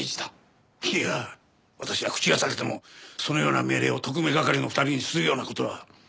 いや私は口が裂けてもそのような命令を特命係の２人にするような事は。